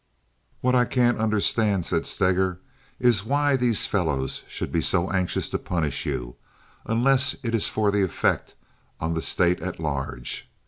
"What I can't understand," said Steger, "is why these fellows should be so anxious to punish you, unless it is for the effect on the State at large.